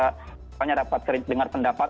pokoknya rapat dengar pendapat